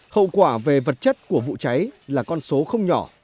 hậu quả về vật chất của vụ cháy là con số không nhỏ